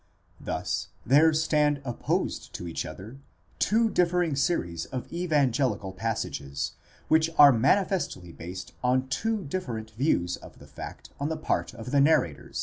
Thus there stand opposed to each other two differing series of evangelical passages, which are manifestly based on two different views of the fact on the part of the narrators: hence, as Sieffert re 11 Grotius, in Matth.